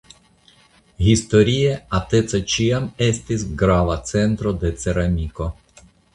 Historie Ateca ĉiam estis grava centro de ceramiko.